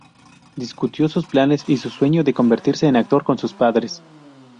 Discutió sus planes y su sueño de convertirse en actor con sus padres.